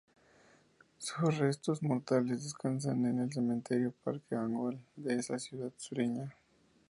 Sus restos mortales descansan en el Cementerio Parque Angol, de esa ciudad sureña.